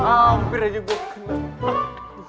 ampir aja gue kena